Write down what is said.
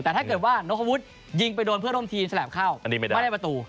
แต่ถ้าเกิดว่านกฮวุฒิยิงไปโดนเพื่อนร่วมทีมสลับเข้าไม่ได้ประตู